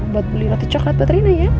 buat beli roti coklat buat rena ya